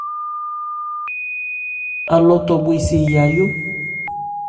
Alɔ tɔ bhwe se yayó.